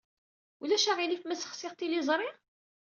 Ulac aɣilif ma ssexsiɣ tiliẓri?